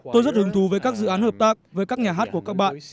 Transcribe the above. tôi rất hứng thú với các dự án hợp tác với các nhà hát của các bạn